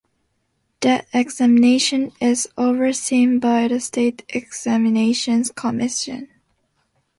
The Examination is overseen by the State Examinations Commission.